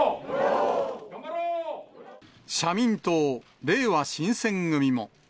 社民党、れいわ新選組も。